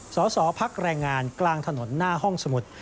สอสอภักดิ์แรงงานกลางถนนหน้าห้องสมุด